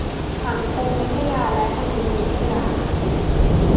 สังคมวิทยาและมานุษยวิทยา